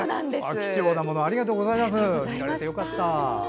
貴重なものありがとうございます。